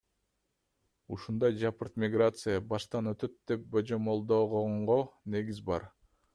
Ушундай жапырт миграция баштан өтөт деп божомолдогонго негиз бар.